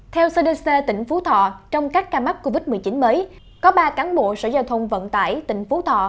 theo cdc tỉnh phú thọ trong các ca mắc covid một mươi chín mới có ba cán bộ sở giao thông vận tải tỉnh phú thọ